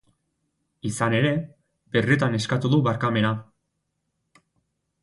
Izan ere, birritan eskatu du barkamena.